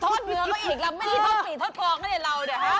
มันเป็นโทษเนื้อเขาอีกเราไม่ได้โทษปีดโทษฟองกันเนี่ยเราเนี่ย